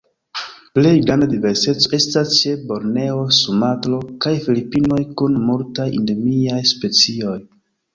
Plej granda diverseco estas ĉe Borneo, Sumatro, kaj Filipinoj, kun multaj endemiaj specioj.